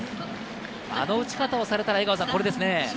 あの打ち方をされたら、江川さんこれですね。